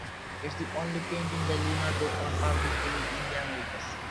It is the only painting by Leonardo on public view in the Americas.